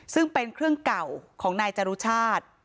ซึ่งเป็นเครื่องเก่าของนายจรุชาติ